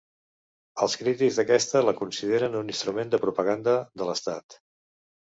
Els crítics d'aquesta la consideren un instrument de propaganda de l'estat.